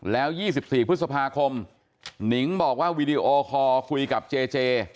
แล้ว๒๔พฤษภาคมหนิงบอกว่าวีดีโอคอร์คุยกับเจเจ